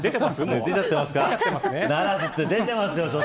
ならずっと出ちゃってますよ。